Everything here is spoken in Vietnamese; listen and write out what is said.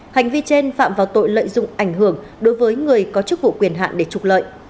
hành vi trên phạm vào tội lợi dụng ảnh hưởng đối với người có chức vụ quyền hạn để trục lợi